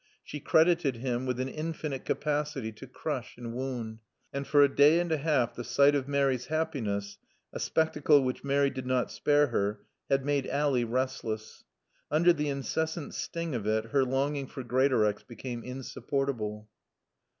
She credited him with an infinite capacity to crush and wound. And for a day and a half the sight of Mary's happiness a spectacle which Mary did not spare her had made Ally restless. Under the incessant sting of it her longing for Greatorex became insupportable.